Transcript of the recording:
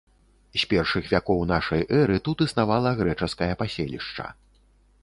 З першых вякоў нашай эры тут існавала грэчаскае паселішча.